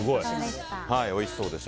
おいしそうでした。